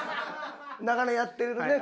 長年やってます。